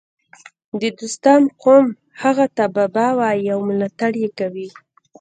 د دوستم قوم هغه ته بابا وايي او ملاتړ یې کوي